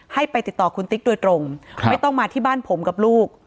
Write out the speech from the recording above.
ให้ไปติดต่อคุณติ๊กโดยตรงไม่ต้องมาที่บ้านผมกับลูก